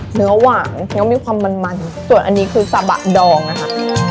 เนื้อหวานเนื้อมีความมันมันส่วนอันนี้คือซาบะดองนะคะ